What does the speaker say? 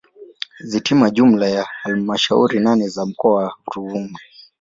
Zikitimia jumla ya halmashauri nane za mkoa wa Ruvuma